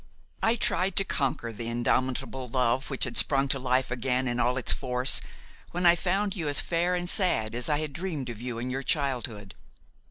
I tried to conquer the indomitable love which had sprung to life again in all its force when I found you as fair and sad as I had dreamed of you in your childhood.